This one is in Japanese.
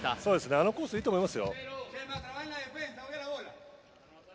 あのコースいいと思いますよ。